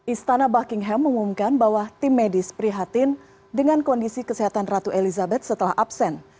istana buckingham mengumumkan bahwa tim medis prihatin dengan kondisi kesehatan ratu elizabeth setelah absen